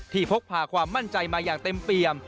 พกพาความมั่นใจมาอย่างเต็มเปี่ยม